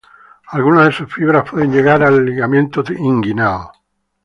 Algunas de sus fibras pueden llegar al ligamento inguinal.